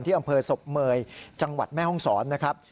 อำเภอศพเมยจังหวัดแม่ห้องศรนะครับ